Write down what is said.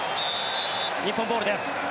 日本ボールです。